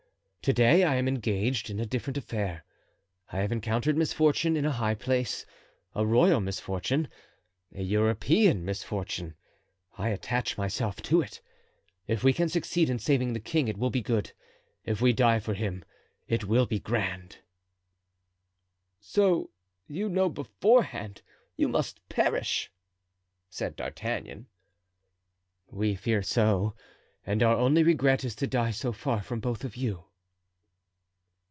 To day I am engaged in a different affair. I have encountered misfortune in a high place, a royal misfortune, a European misfortune; I attach myself to it. If we can succeed in saving the king it will be good; if we die for him it will be grand." "So you know beforehand you must perish!" said D'Artagnan. "We fear so, and our only regret is to die so far from both of you."